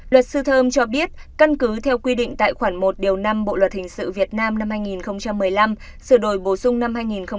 luật sư thơm cho biết căn cứ theo quy định tại khoản một năm bộ luật hình sự việt nam năm hai nghìn một mươi năm sửa đổi bổ sung năm hai nghìn một mươi bảy